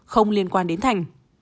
không liên quan đến thành